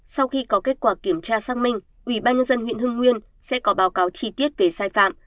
sau khi có kết quả kiểm tra xác minh ủy ban nhân dân huyện hưng nguyên sẽ có báo cáo chi tiết về sai phạm